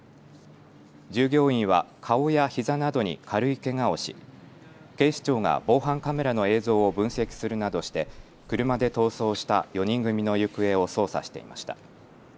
従業員は顔やひざなどに軽いけがをし、警視庁が防犯カメラの映像を分析するなどして車で逃走した４人組の行方を捜査していました。